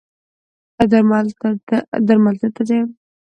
ایا درملتون ته ځئ؟